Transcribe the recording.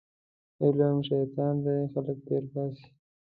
علم شیطان دی خلک تېرباسي